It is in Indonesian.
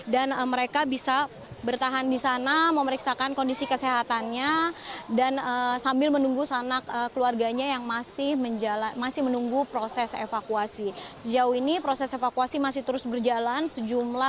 dan mereka bisa bertahan di sana memeriksakan kondisi kesehatannya dan sambil menunggu sana keluarganya yang masih menunggu prosesnya